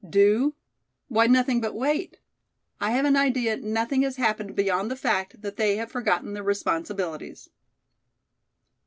"Do? Why nothing but wait. I have an idea nothing has happened beyond the fact that they have forgotten their responsibilities."